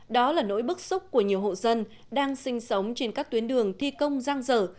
đó là nỗi bức xúc của nhiều hộ dân đang sinh sống trên các tuyến đường thi công giang dở